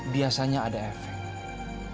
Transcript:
biasanya ada efek